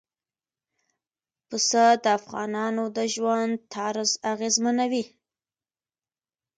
پسه د افغانانو د ژوند طرز اغېزمنوي.